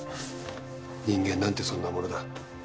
人間なんてそんなものだ。